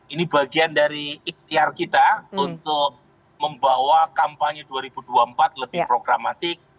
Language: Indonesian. ini bagian dari ikhtiar kita untuk membawa kampanye dua ribu dua puluh empat lebih programatik